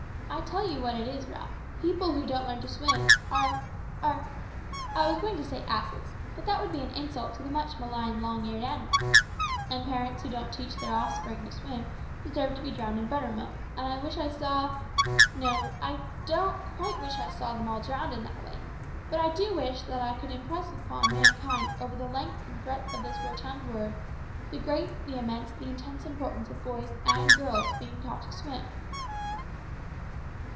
I tell you what it is, Ralph: people who don't learn to swim are are I was going to say asses, but that would be an insult to the much maligned long eared animal; and parents who don't teach their offspring to swim deserve to be drowned in butter milk; and I wish I saw no, I don't quite wish I saw them all drowned in that way, but I do wish that I could impress upon mankind over the length and breadth of this rotund world the great, the immense, the intense importance of boys and girls being taught to swim."